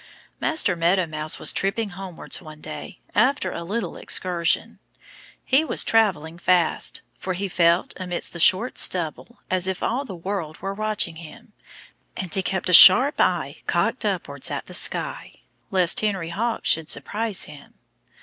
Master Meadow Mouse was tripping homewards one day, after a little excursion. He was traveling fast, for he felt, amidst the short stubble, as if all the world were watching him. And he kept a sharp eye cocked upwards at the sky, lest Henry Hawk should surprise him.